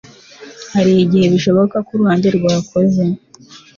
hari igihe bishoboka ko 'uruhande rwakoze